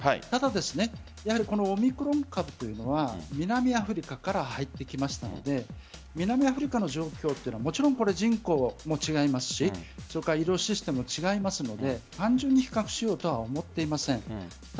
ただ、オミクロン株というのは南アフリカから入ってきましたので南アフリカの状況というのは人口も違いますし医療システムも違いますので単純に比較しようとは思っていません。